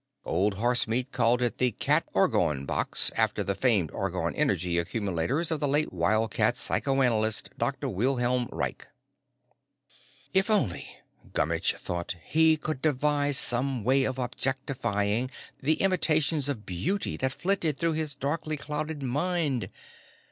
Old Horsemeat called it the Cat Orgone Box after the famed Orgone Energy Accumulators of the late wildcat psychoanalyst Dr. Wilhelm Reich. If only, Gummitch thought, he could devise some way of objectifying the intimations of beauty that flitted through his darkly clouded mind!